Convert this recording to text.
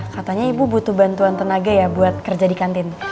katanya ibu butuh bantuan tenaga ya buat kerja di kantin